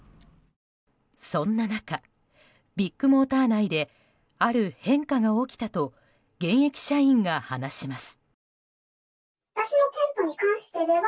そんな中、ビッグモーター内である変化が起きたと現役社員が話します。